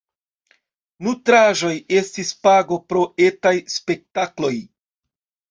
Nutraĵoj estis pago pro etaj spektakloj.